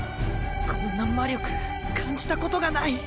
こんな魔力感じたことがない。